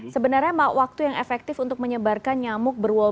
sebenarnya waktu yang efektif untuk menyebarkan nyamuk berwarna